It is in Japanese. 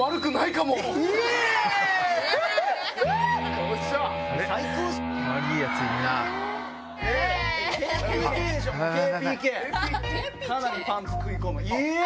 かなりパンツ食い込むイェ！